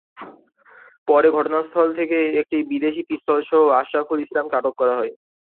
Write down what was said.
পরে ঘটনাস্থল থেকে একটি বিদেশি পিস্তলসহ আশরাফুল ইসলামকে আটক করা হয়।